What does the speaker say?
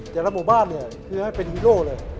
แต่ละหมู่บ้านเนี่ยคือให้เป็นฮีโร่เลย